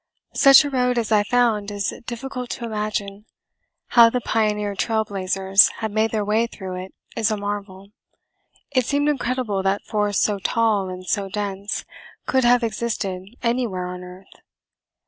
Such a road as I found is difficult to imagine. How the pioneer trail blazers had made their way through it is a marvel. It seemed incredible that forests so tall and so dense could have existed anywhere on earth.